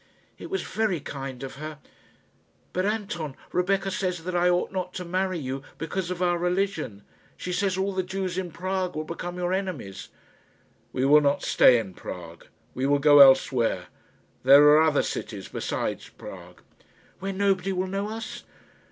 It was very kind of her. But, Anton, Rebecca says that I ought not to marry you, because of our religion. She says all the Jews in Prague will become your enemies." "We will not stay in Prague; we will go elsewhere. There are other cities besides Prague." "Where nobody will know us?"